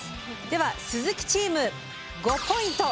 では鈴木チーム５ポイント！